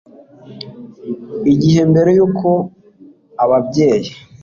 igihe mbere y uko ababyeyi